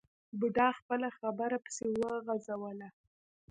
بوډا خپله خبره پسې وغځوله.